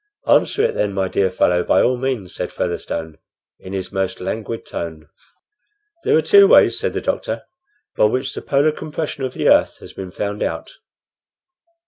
"Answer it, then, my dear fellow, by all means," said Featherstone, in his most languid tone. "There are two ways," said the doctor, "by which the polar compression of the earth has been found out.